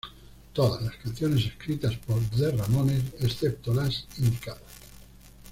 Todas las canciones escritas por The Ramones excepto las indicadas.